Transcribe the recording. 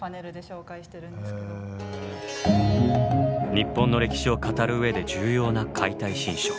日本の歴史を語る上で重要な「解体新書」。